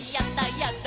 やった！